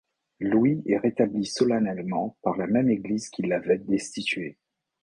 Louis est rétabli solennellement par la même église qui l’avait destitué.